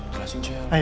terima kasih cuy